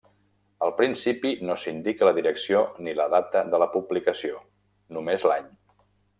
Al principi no s'indica la direcció ni la data de publicació, només l'any.